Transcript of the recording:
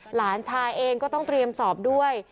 หลานชายเองก็ต้องเตรียมสอบด้วย